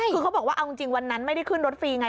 คือเขาบอกว่าเอาจริงวันนั้นไม่ได้ขึ้นรถฟรีไง